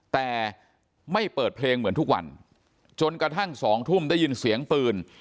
แต่ไม่เปิดเพลงเหมือนทุกวันจนกระทั่ง๒ทุ่มได้ยินเสียงปืน